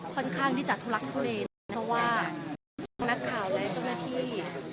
ค่อนข้างดิจัดทุลักษณ์ทุเรนเพราะว่านักข่าวและเจ้าหน้าที่